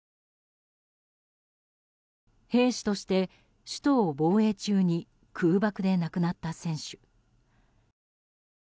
兵士として首都を防衛中に空爆で亡くなった選手。